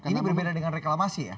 ini berbeda dengan reklamasi ya